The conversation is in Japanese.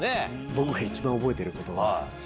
ボクが一番覚えてることは。